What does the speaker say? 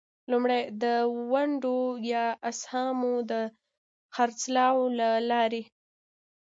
لومړی: د ونډو یا اسهامو د خرڅلاو له لارې.